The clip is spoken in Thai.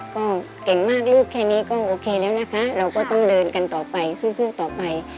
ก็เก่งมากลูกแค่นี้ก็โอเคแล้วนะคะเราก็ต้องเดินกันต่อไปสู้ต่อไป